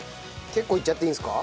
結構いっちゃっていいんですか？